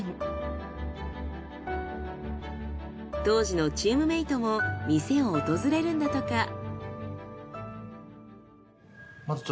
当時のチームメイトも店を訪れるんだとか。